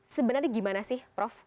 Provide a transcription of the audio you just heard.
sebenarnya gimana sih prof